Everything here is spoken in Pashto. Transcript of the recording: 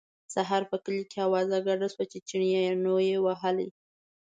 سهار په کلي کې اوازه ګډه شوه چې چړیانو یې وهلی.